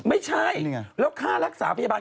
ไม่ใช่แล้วค่ารักษาพยาบาล